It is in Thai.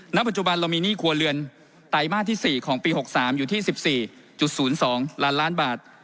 ณปัจจุบันเรามีหนี้ครัวเรือนไตรมาสที่๔ของปี๖๓อยู่ที่๑๔๐๒ล้านล้านบาท